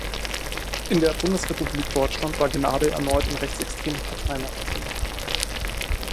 In der Bundesrepublik Deutschland war Gnade erneut in rechtsextremen Parteien aktiv.